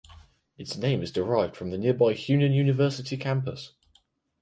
Its name is derived from the nearby Hunan University campus.